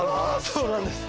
そうなんです。